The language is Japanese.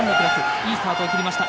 いいスタートを切りました。